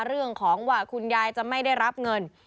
เรื่องของว่าคุณยายจะไม่ได้รับเงิน